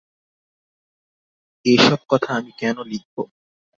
এ-সব কথা আমি কেন লিখব?